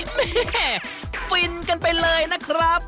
แม่ฟินกันไปเลยนะครับ